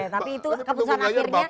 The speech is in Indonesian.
tapi itu keputusan akhirnya